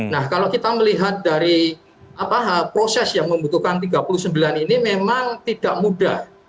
nah kalau kita melihat dari proses yang membutuhkan tiga puluh sembilan ini memang tidak mudah